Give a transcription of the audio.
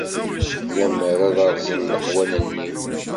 Lemmer ad rẓen leqwanen-iw.